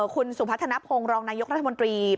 คุณสุพัฒนภงรองนายกรัฐมนตรี